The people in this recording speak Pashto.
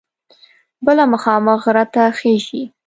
بله مخامخ غره ته خیژي.